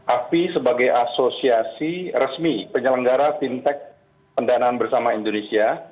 afi sebagai asosiasi resmi penyelenggara fintech pendanaan bersama indonesia